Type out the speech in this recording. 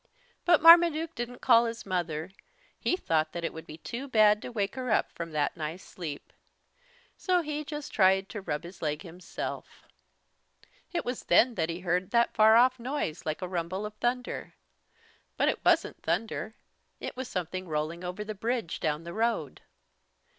But Marmaduke didn't call his mother. He thought that it would be too bad to wake her up from that nice sleep. So he just tried to rub his leg himself. It was then that he heard that far off noise like a rumble of thunder. But it wasn't thunder. It was something rolling over the bridge down the road.